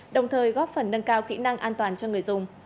đồng thời góp phần nâng cao kỹ năng an toàn cho người dùng